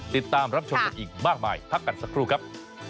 ติดตามรับชมกันอีกมากมายพักกันสักครู่ครับ